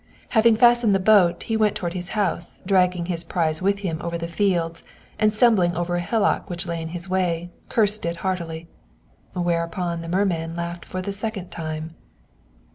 Having fastened the boat, he went toward his house, dragging his prize with him over the fields, and stumbling over a hillock which lay in his way, cursed it heartily; whereupon the merman laughed for the second time.